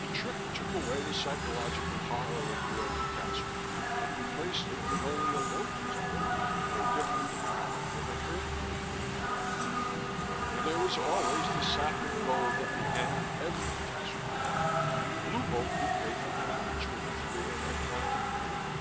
The trick took away the psychological horror of world catastrophe and replaced it with only a local terror, no different in kind than an earthquake or a flood. And there was always the sack of gold at the end of every catastrophe: Blue Bolt would pay for damage, with a free and uncounting hand.